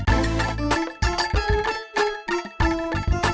jangan lupa like share dan subscribe